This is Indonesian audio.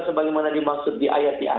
sebagaimana dimaksud di ayat ya